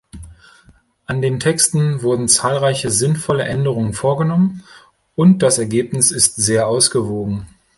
An den Texten wurden zahlreiche sinnvolle Änderungen vorgenommen und das Ergebnis ist sehr ausgewogen.